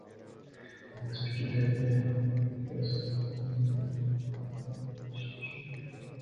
Анда спикерге КСДПнын депутаты Ирина Карамушкина кайрылган.